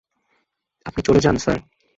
আপনি চলে যান, স্যার।